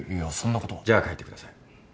じゃあ帰ってください。